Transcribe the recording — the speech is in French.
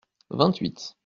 Vingt-huit.